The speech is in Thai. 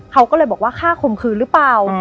เขาก็เลยบอกว่าฆ่าข่มขืนหรือเปล่า